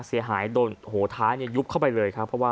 เสียหายโดนโหท้ายยุบเข้าไปเลยค่ะ